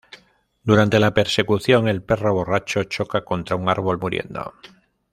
Durante la persecución, el perro borracho choca contra un árbol, muriendo.